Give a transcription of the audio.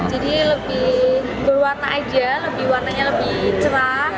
jadi lebih berwarna aja warnanya lebih cerah